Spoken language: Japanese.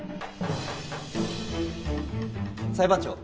裁判長